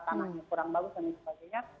tanahnya kurang bagus dan sebagainya